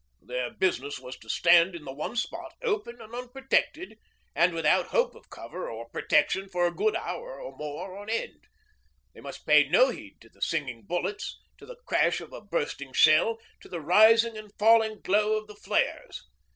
Their business was to stand in the one spot, open and unprotected, and without hope of cover or protection for a good hour or more on end. They must pay no heed to the singing bullets, to the crash of a bursting shell, to the rising and falling glow of the flares.